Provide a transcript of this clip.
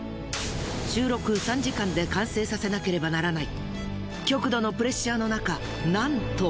収録３時間で完成させなければならない極度のプレッシャーのなかなんと。